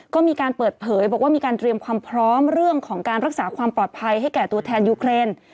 ก็มีการเปิดเผยเตรียมความพร้อมเรื่องรักษาประโยชน์ภาพให้แก่ตัวแทนยูเคน